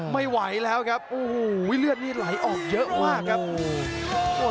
ไม่ไหวแล้วครับโอ้โหเลือดนี่ไหลออกเยอะมากครับ